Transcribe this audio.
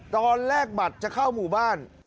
ตอนแรกบัตรจะเข้าหมู่บ้าน